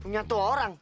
punya satu orang